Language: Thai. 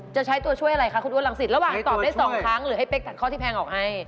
จะใช้ตัวช่วยอะไรคะคุณอ้วนรังสิตระหว่างตอบได้๒ครั้งหรือให้เป๊กตัดข้อที่แพงออกให้